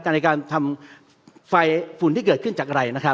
การในการทำฝุ่นที่เกิดขึ้นจากอะไร